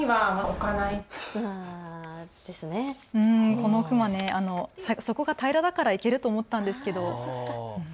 この熊、底が平らだからいけると思ったんですけど。